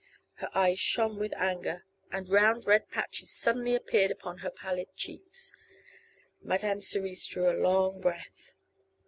Her eyes shone with anger and round red patches suddenly appeared upon her pallid cheeks. Madame Cerise drew a long breath.